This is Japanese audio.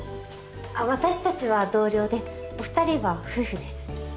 私たちは同僚でお二人は夫婦です。